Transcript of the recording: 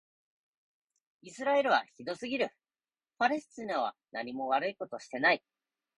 イスラエルはひどすぎる。パレスチナはなにも悪いことをしていない。